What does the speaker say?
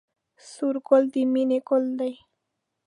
سور ګل د مینې ګل دی